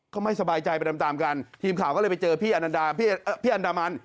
ก็ไม่สบายใจไปตามกันทีมข่าวก็เลยไปเจอพี่อันดามัน